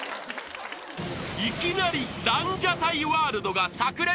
［いきなりランジャタイワールドが炸裂］